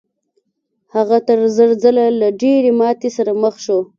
هغه تر زر ځله له ډېرې ماتې سره مخ شو.